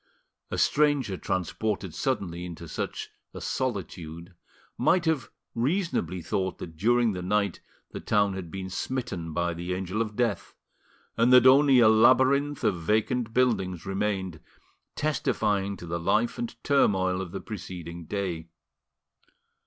A stranger transported suddenly into such a solitude might have reasonably thought that during the night the town had been smitten by the Angel of Death, and that only a labyrinth of vacant buildings remained, testifying to the life and turmoil of the preceding day.